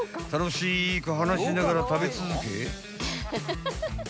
［楽しく話しながら食べ続け］